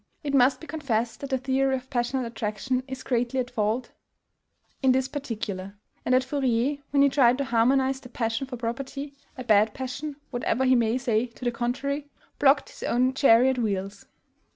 It must be confessed that the theory of passional attraction is gravely at fault in this particular, and that Fourier, when he tried to harmonize the PASSION for property, a bad passion, whatever he may say to the contrary, blocked his own chariot wheels.